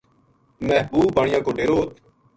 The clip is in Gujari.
محبوب بانیا کو ڈیرو اُ